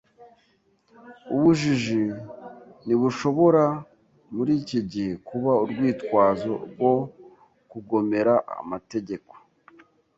Ubujiji ntibushobora muri iki gihe kuba urwitwazo rwo kugomera amategeko